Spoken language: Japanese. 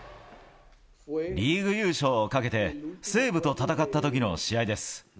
リーグ優勝をかけて、西武と戦ったときの試合です。